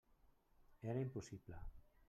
Era impossible.